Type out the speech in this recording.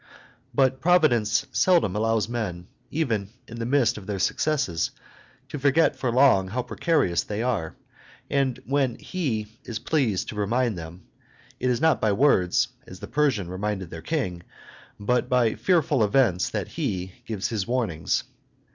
But Providence seldom allows men, even in the midst of their successes, to forget for long how precarious they are; and when He is pleased to remind them, it is not by words, as the Persians reminded their king, but by fearful events that He gives His warnings.